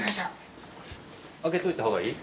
開けといた方がいい？